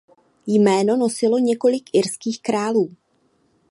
Jméno nosilo několik irských králů.